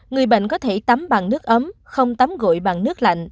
người bệnh có thể tắm bằng nước ấm không tắm gội bằng nước lạnh